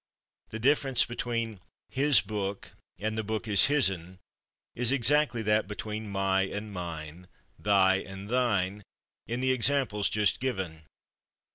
The difference between "/his/ book" and "the book is /his'n/" is exactly that between /my/ and /mine/, /thy/ and /thine/, in the examples just given.